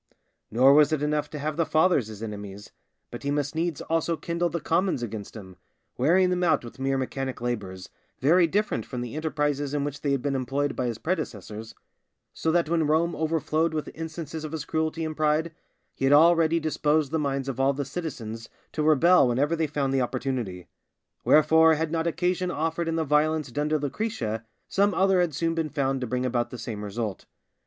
Nor was it enough for him to have the Fathers his enemies, but he must needs also kindle the commons against him, wearing them out with mere mechanic labours, very different from the enterprises in which they had been employed by his predecessors; so that when Rome overflowed with instances of his cruelty and pride, he had already disposed the minds of all the citizens to rebel whenever they found the opportunity. Wherefore, had not occasion offered in the violence done to Lucretia, some other had soon been found to bring about the same result.